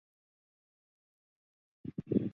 马格瑞的记述大概来自口述传说。